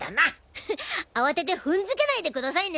フフッ慌てて踏んづけないでくださいね。